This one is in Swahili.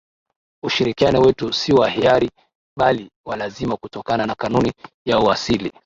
Ushirikiano wetu si wa hiari bali wa lazima kutokana na kanuni ya uasili